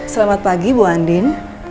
selamat pagi ibu andin